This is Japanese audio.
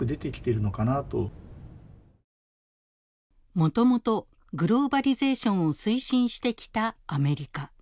もともとグローバリゼーションを推進してきたアメリカ。